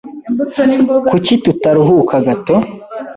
Kuki tutaruhuka gato?